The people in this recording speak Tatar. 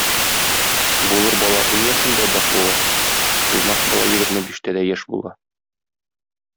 Булыр бала ун яшендә баш була, булмас бала егерме биштә дә яшь була.